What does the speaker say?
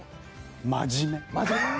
真面目。